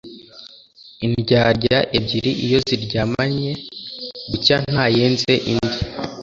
Indyarya ebyiri iyo ziryamanye, bucya ntayenze indi.